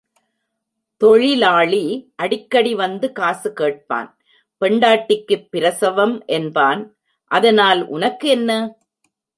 தொழிலாளி அடிக்கடி வந்து காசு கேட்பான் பெண்டாட்டிக்குப் பிரசவம் என்பான் அதனால் உனக்கு என்ன?